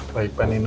baik pak nino